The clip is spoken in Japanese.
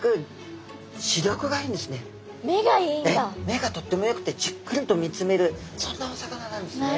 目がとってもよくてじっくりと見つめるそんなお魚なんですね。